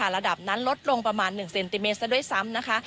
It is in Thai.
ระดับนั้นลดลงประมาณ๑เซนติเมตรซะด้วยซ้ำนะคะ